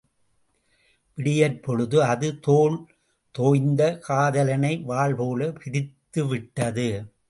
விடியற் பொழுது அது தோள் தோய்ந்த காதலனை வாள்போல் பிரித்துவிட்டது.